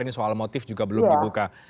ini soal motif juga belum dibuka